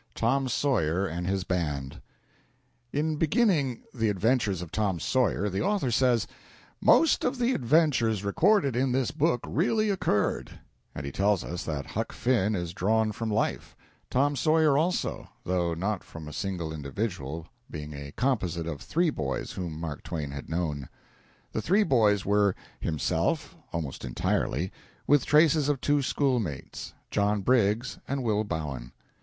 V. TOM SAWYER AND HIS BAND In beginning "The Adventures of Tom Sawyer" the author says, "Most of the adventures recorded in this book really occurred," and he tells us that Huck Finn is drawn from life; Tom Sawyer also, though not from a single individual, being a composite of three boys whom Mark Twain had known. The three boys were himself, almost entirely, with traces of two schoolmates, John Briggs and Will Bowen.